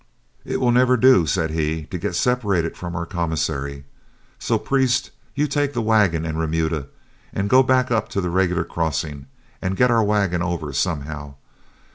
"It will never do," said he, "to get separated from our commissary. So, Priest, you take the wagon and remuda and go back up to the regular crossing and get our wagon over somehow.